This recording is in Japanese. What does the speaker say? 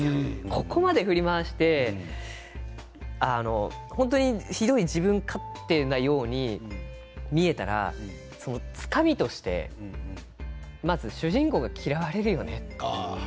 ここまで振り回して本当にひどい、自分勝手なように見えたら、つかみとして主人公が嫌われるよねと。